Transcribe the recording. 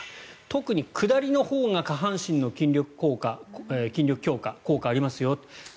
特に下りのほうが下半身の筋力強化に効果がありますよ。